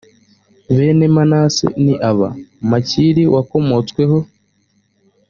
bene manase ni aba: makiri wakomotsweho